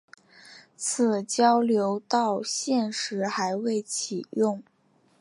此交流道现时还未启用。